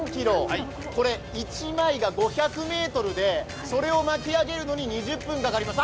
これ、１枚が５００ｍで、それを巻き上げるのに２０分かかります。